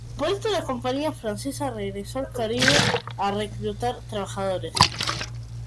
Por esto la compañía francesa regresó al Caribe a reclutar trabajadores.